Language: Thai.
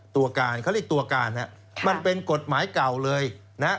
ตัวการเขาเรียกตัวการฮะมันเป็นกฎหมายเก่าเลยนะฮะ